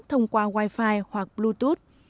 thông qua wifi hoặc bluetooth